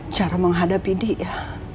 cara menghadapi dia